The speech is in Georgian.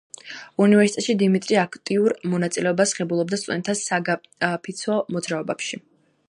უნივერსიტეტში დიმიტრი აქტიურ მონაწილეობას ღებულობდა სტუდენტთა საგაფიცვო მოძრაობებში.